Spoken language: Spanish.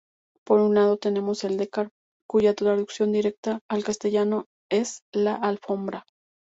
Por un lado tenemos "The Carpet" cuya traducción directa al castellano es "La Alfombra".